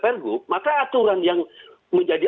pergub maka aturan yang menjadi